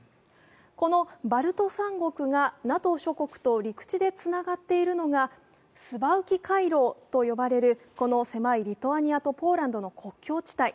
このバルト三国がＮＡＴＯ諸国と陸地でつながっているのが、スバウキ回廊と呼ばれるこの狭い、リトアニアとポーランドの国境地帯。